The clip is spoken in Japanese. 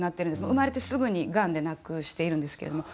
生まれてすぐにがんで亡くしているんですけども。